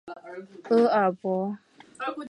厄尔伯。